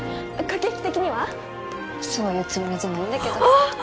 駆け引き的にはそういうつもりじゃないんだけどあっ！